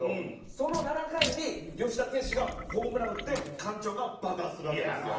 その７回に吉田選手がホームラン打って感情が爆発するわけですよ。